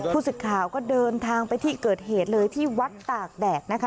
สึกข่าวก็เดินทางไปที่เกิดเหตุเลยที่วัดตากแดดนะคะ